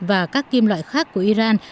và các kim loại khác của iran